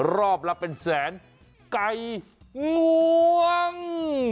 รอบละเป็นแสนไก่งวง